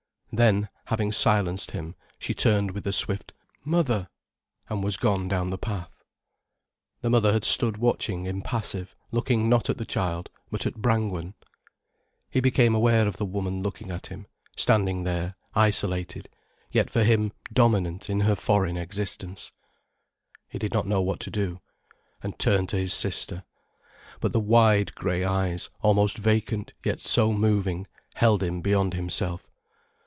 Then, having silenced him, she turned with a swift "Mother——," and was gone down the path. The mother had stood watching impassive, looking not at the child, but at Brangwen. He became aware of the woman looking at him, standing there isolated yet for him dominant in her foreign existence. He did not know what to do, and turned to his sister. But the wide grey eyes, almost vacant yet so moving, held him beyond himself.